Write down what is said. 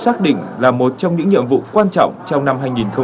sắc định là một trong những nhiệm vụ quan trọng trong năm hai nghìn hai mươi hai